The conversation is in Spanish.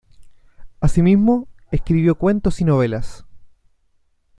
Asimismo, escribió cuentos y novelas.